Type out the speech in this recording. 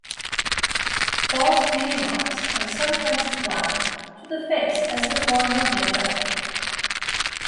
False beauty marks are sometimes applied to the face as a form of make-up.